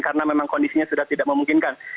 karena memang kondisinya sudah tidak memungkinkan